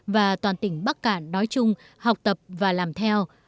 và toàn tỉnh bắc cạn nói chung học tập và làm theo